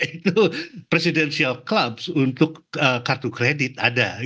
itu presidential clubs untuk kartu kredit ada